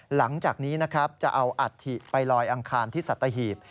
หลังจากนี้นะครับจะเอาอัฐิไปลอยอังคารที่สัตหีบ